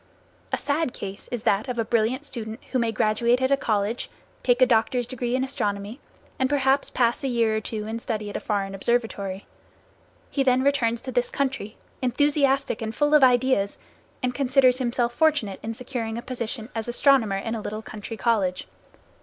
A sad case is that of a brilliant student who may graduate at a college, take a doctor's degree in astronomy, and perhaps pass a year or two in study at a foreign observatory. He then returns to this country, enthusiastic and full of ideas, and considers himself fortunate in securing a position as astronomer in a little country college.